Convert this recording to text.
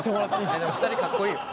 でも２人かっこいいよ。